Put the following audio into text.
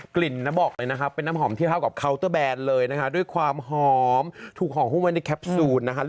กลิ่นน้ำบอกเลยนะฮะเป็นน้ำหอมที่เผ่ากับเคาน์เตอร์แบนเลยนะฮะด้วยความหอมถูกหอมขึ้นมาในแคปซูลนะฮะ